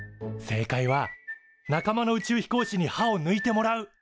正解は仲間の宇宙飛行士に歯をぬいてもらう。